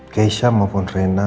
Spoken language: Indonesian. keisha maupun rena